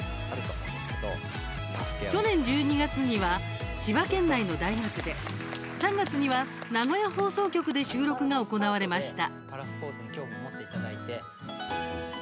去年１２月には千葉県内の大学で３月には名古屋放送局で収録が行われました。